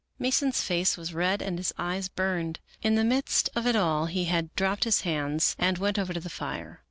Mason's face was red, and his eyes burned. In the midst of it all he dropped his hands and went over to the fire.